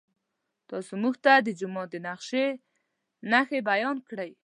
تاسو موږ ته د جومات د نقشې نښې بیان کړئ.